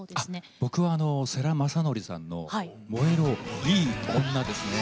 僕は世良公則さんの「燃えろいい女」ですね。